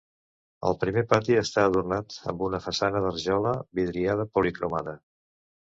El primer pati està adornat amb una façana de rajola vidriada policromada.